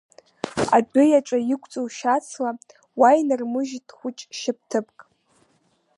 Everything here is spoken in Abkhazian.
Адәы иаҵәа, иқәҵоу шьацла, уа инырмыжьит хәыҷ шьапҭыԥк.